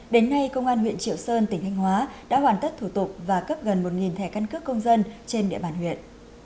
đến nay công an huyện triệu sơn tỉnh thanh hóa đã hoàn tất thủ tục và cấp gần một thẻ căn cước công dân trên địa bàn huyện